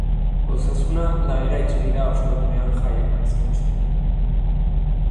Osasuna lanera itzuli da ostegunean jai eguna izan ostean.